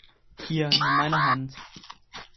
Hier, nimm meine Hand!